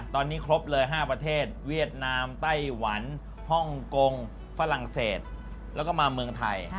ตอนนี้ครบเลย๕ประเทศเวียดนามไต้หวันฮ่องกงฝรั่งเศสแล้วก็มาเมืองไทย